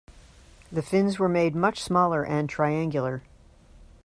The fins were made much smaller and triangular.